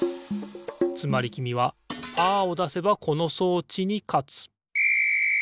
つまりきみはパーをだせばこの装置にかつピッ！